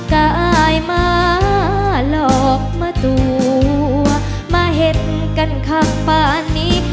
กายมาหลอกมาตัวมาเห็นกันข้างป่านนี้